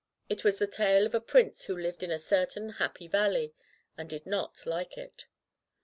It was the tale of a prince who lived in a certain Happy Valley, and did not like it.